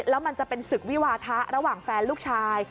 แล้วมันจะเป็นศึกวิวาทะระหว่างแฟนลูกชาย